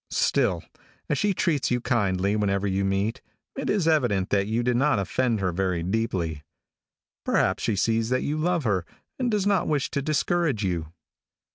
Still, as she treats you kindly whenever you meet, it is evident that you did not offend her very deeply. Perhaps she sees that you love her, and does not wish to discourage you.